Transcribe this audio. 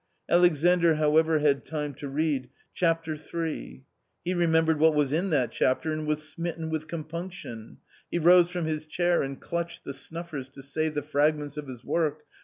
Alexandr, however, had time to read :" Chapter III." He remembered what was in that chapter, and was smitten with compunction. He rose from his chair and clutched the snuffers to save the fragments of his work.